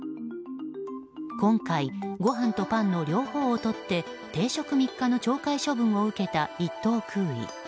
今回、ご飯とパンの両方を取って停職３日の懲戒処分を受けた１等空尉。